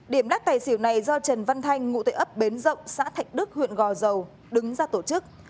điểm lắc tài xỉu này do trần văn thanh ngụ tại ấp bến rộng xã thạch đức huyện gò dầu đứng ra tổ chức